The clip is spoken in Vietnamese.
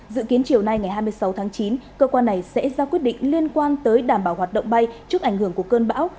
dự kiến chiều nay ngày hai mươi sáu tháng chín cơ quan này sẽ ra quyết định liên quan tới đảm bảo hoạt động bay trước ảnh hưởng của cơn bão